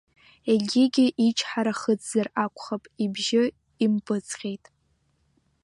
Егьигьы ичҳара хыҵзар акәхап, ибжьы импыҵҟьеит.